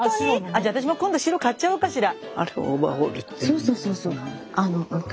じゃ私も今度白買っちゃおうかしら？